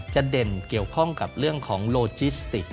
เด่นเกี่ยวข้องกับเรื่องของโลจิสติก